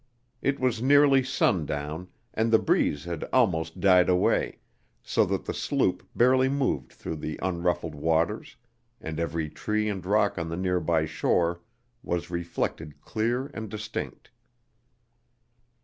It was nearly sundown, and the breeze had almost died away, so that the sloop barely moved through the unruffled waters and every tree and rock on the near by shore was reflected clear and distinct.